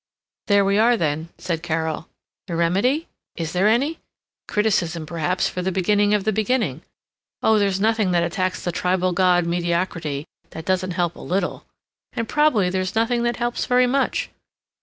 "There we are then," said Carol. "The remedy? Is there any? Criticism, perhaps, for the beginning of the beginning. Oh, there's nothing that attacks the Tribal God Mediocrity that doesn't help a little ... and probably there's nothing that helps very much.